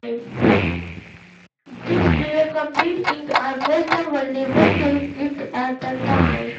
These were complete inks; I was the only one doing it at the time.